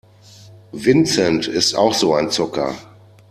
Vincent ist auch so ein Zocker.